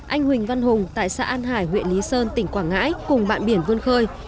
anh huỳnh văn hùng tại xã an hải huyện lý sơn tỉnh quảng ngãi cùng bạn biển vươn khơi